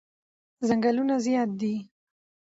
چنگلونه زیاد دی